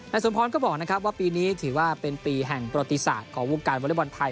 สมพรก็บอกนะครับว่าปีนี้ถือว่าเป็นปีแห่งประติศาสตร์ของวงการวอเล็กบอลไทย